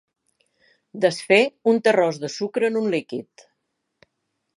Desfer un terròs de sucre en un líquid.